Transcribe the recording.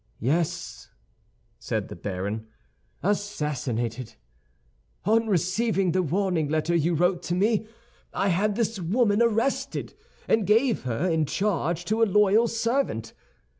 "Yes," said the baron, "assassinated. On receiving the warning letter you wrote to me, I had this woman arrested, and gave her in charge to a loyal servant.